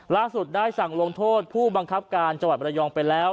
ล่าสุดได้สั่งลงโทษผู้บังคับการจังหวัดบรยองไปแล้ว